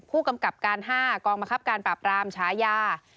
ผู้กำกับการ๕กองบังคับการปราบรามฉายา